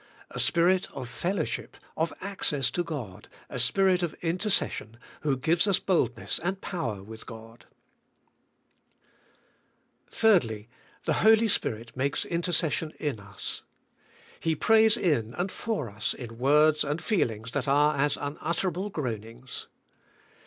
A Spirit of fellowship, of access to God, a Spirit of in tercession, who give us boldness and pov/er with God. PRAYKR. 99 3. The Holy Spirit makes intercession in us. He prays in and for us in words and feeling's that are as unutterable g roaning"s.